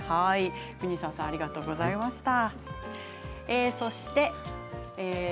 國澤さんありがとうございました。